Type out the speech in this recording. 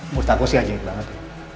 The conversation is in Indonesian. menurut aku sih ajaib banget